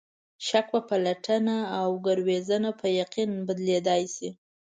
شک په پلټنه او ګروېږنه په یقین بدلېدای شي.